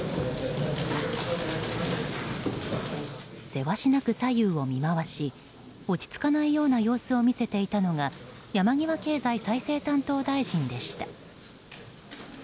せわしなく左右を見回し落ち着かない様子を見せていたのが山際経済再生担当大臣でした。